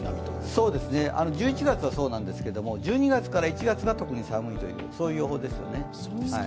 そうですね１１月はそうなんですけれども１２月から１月が特に寒いという予報ですね。